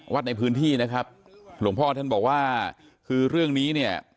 วัดในพื้นที่นะครับหลวงพ่อท่านบอกว่าคือเรื่องนี้เนี่ย